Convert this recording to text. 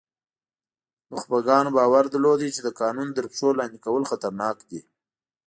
نخبګانو باور درلود چې د قانون تر پښو لاندې کول خطرناک دي.